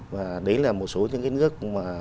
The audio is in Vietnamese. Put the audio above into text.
và đấy là một số những nước